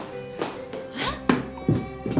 えっ